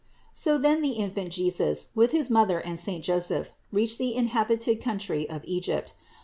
643. So then the Infant Jesus, with his Mother and saint Joseph, reached the inhabited country of Egypt.